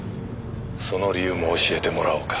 その理由も教えてもらおうか。